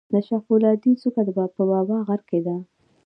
د شاه فولادي څوکه په بابا غر کې ده